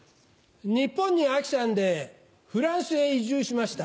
日本に飽きたんでフランスへ移住しました。